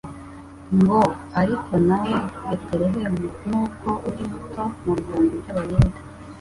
ngo : "Ariko nawe Betelehemu nubwo uri muto mu bihumbi by'Abayuda,